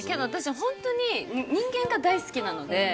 本当に私、人間が大好きなので。